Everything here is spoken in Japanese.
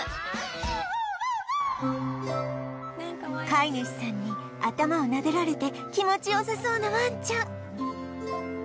飼い主さんに頭をなでられて気持ちよさそうなワンちゃん